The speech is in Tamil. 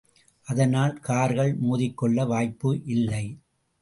அதனால் கார்கள் மோதிக்கொள்ள வாய்ப்பு இல்லை.